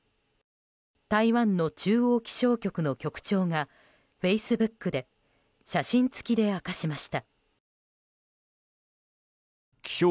台湾の中央気象局の局長がフェイスブックで写真付きで明かしました。